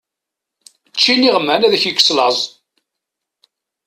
Ečč iniɣman ad k-yekkes laẓ!